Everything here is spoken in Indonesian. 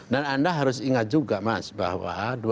dan anda harus ingat juga mas bahwa dua ribu sembilan belas